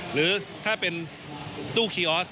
หรือถ้าเป็นตู้คีย์ออส